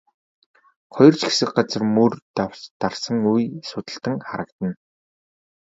Хоёр ч хэсэг газар мөр дарсан үе судалтан харагдана.